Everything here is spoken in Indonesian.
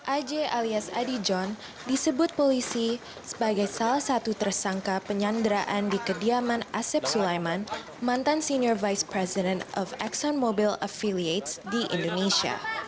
aj alias adi john disebut polisi sebagai salah satu tersangka penyanderaan di kediaman asep sulaiman mantan senior vice president of exxon mobil afiliate di indonesia